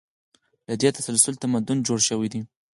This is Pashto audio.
له دې تسلسل تمدن جوړ شوی دی.